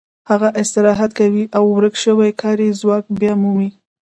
هغه استراحت کوي او ورک شوی کاري ځواک بیا مومي